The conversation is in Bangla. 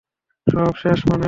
সব শেষ মানে?